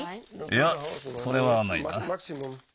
いやそれはないな。